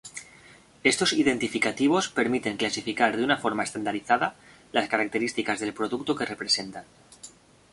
Estos identificativos permiten clasificar de una forma estandarizada las características del producto que representan.